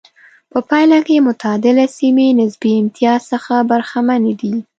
په پایله کې معتدله سیمې نسبي امتیاز څخه برخمنې دي.